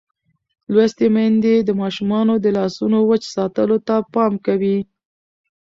لوستې میندې د ماشومانو د لاسونو وچ ساتلو ته پام کوي.